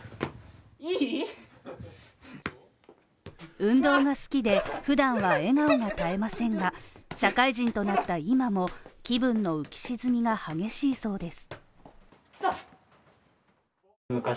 運動が好きで、普段は笑顔が絶えませんが、社会人となった今も気分の浮き沈みが激しいそうです。